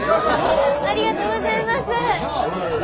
ありがとうございます。